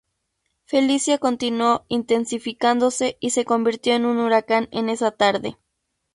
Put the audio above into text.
Felicia continuó intensificándose y se convirtió en un huracán en esa tarde.